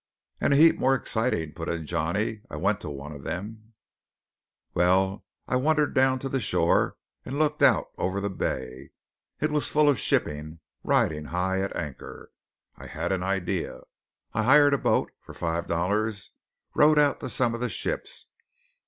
"And a heap more exciting," put in Johnny. "I went to one of them." "Well, I wandered down to the shore, and looked out over the bay. It was full of shipping, riding high at anchor. I had an idea. I hired a boat for five dollars, and rowed out to some of the ships.